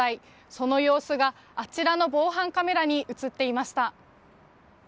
その様子があちらの防犯カメラに映っていました。